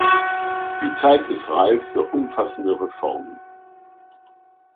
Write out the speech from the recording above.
Die Zeit ist reif für umfassende Reformen.